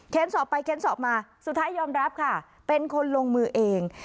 สอบไปเค้นสอบมาสุดท้ายยอมรับค่ะเป็นคนลงมือเอง